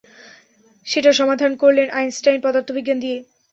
সেটার সমাধান করলেন আইনস্টাইন পদার্থবিজ্ঞান দিয়ে।